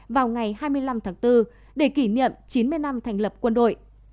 vào ngày hai mươi năm tháng bốn để kỷ niệm chín mươi năm thành lập quân đội